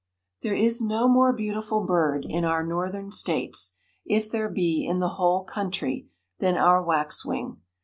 There is no more beautiful bird in our northern states, if there be in the whole country, than our waxwing.